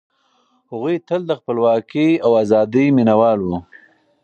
هغوی تل د خپلواکۍ او ازادۍ مينه وال وو.